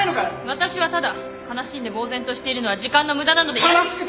私はただ悲しんでぼう然としているのは時間の無駄なのでやるべき。